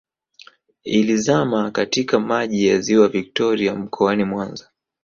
Ilizama katika maji ya ziwa Victoria mkoani Mwanza